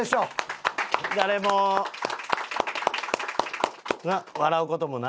誰も笑う事もない。